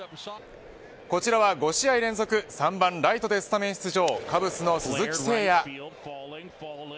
こちらは５試合連続３番ライトでスタメン出場カブスの鈴木誠也。